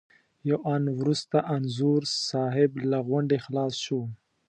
یو آن وروسته انځور صاحب له غونډې خلاص شو.